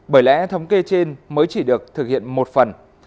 mới chỉ được thực hiện một phần